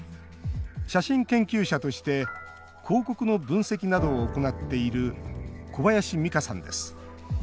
写真研究者として広告の分析などを行っている小林美香さんです。